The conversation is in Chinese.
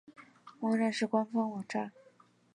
猫战士官方网站